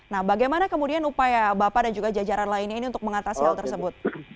nah bagaimana kemudian upaya bapak dan juga jajaran lainnya ini untuk mengatasi hal tersebut